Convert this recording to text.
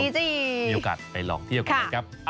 มีโอกาสไปลองเที่ยวกันนะครับ